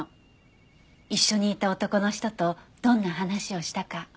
一緒にいた男の人とどんな話をしたか。